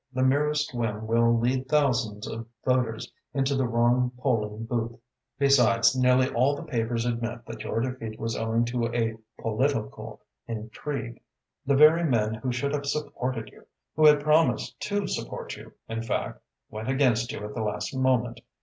"The merest whim will lead thousands of voters into the wrong polling booth. Besides, nearly all the papers admit that your defeat was owing to a political intrigue. The very men who should have supported you who had promised to support you, in fact went against you at the last moment.